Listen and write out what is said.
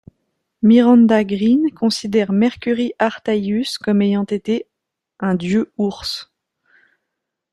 Miranda Green considère Mercury Artaius comme ayant été un dieu ours..